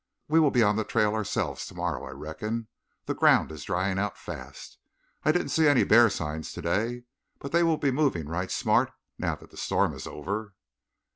We will be on the trail ourselves tomorrow, I reckon. The ground is drying out fast. I didn't see any bear signs today, but they will be moving right smart, now that the storm is over."